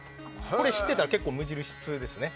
これ知っていたら結構、無印通ですね。